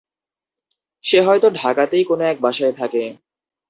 সে হয়তো ঢাকাতেই কোনো এক বাসায় থাকে।